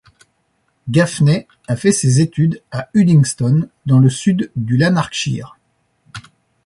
Gaffney a fait ses études à Uddingston, dans le sud du Lanarkshire.